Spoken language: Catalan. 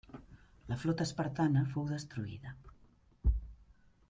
La flota espartana fou destruïda.